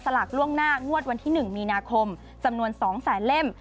ลากล่วงหน้างวดวันที่๑มีนาคมจำนวน๒แสนเล่ม